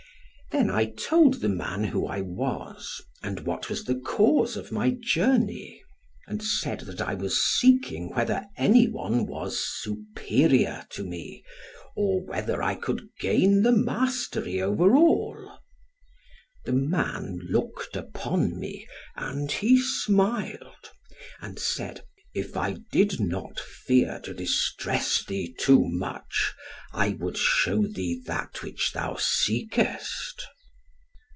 Then I told the man who I was, and what was the cause of my journey. And said that I was seeking whether any one was superior to me, or whether I could gain the mastery over all. The man looked upon me, and he smiled, and said, 'If I did not fear to distress thee too much, {19b} I would shew thee that which thou seekest.'